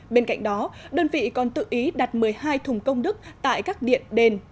bên cạnh đó đơn vị còn tự ý đặt một mươi hai thùng công đức tại các điện đền